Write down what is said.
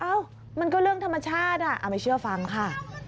อ้าวมันก็เรื่องธรรมชาติอ้าวไม่เชื่อฟังค่ะ